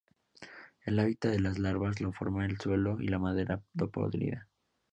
El hábitat de las larvas lo forman el suelo y la madera podrida.